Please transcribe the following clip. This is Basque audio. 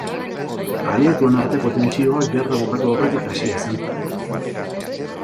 Aliatuen arteko tentsioa gerra bukatu aurretik hasia zen.